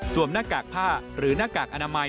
หน้ากากผ้าหรือหน้ากากอนามัย